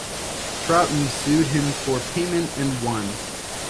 Troughton sued him for payment and won.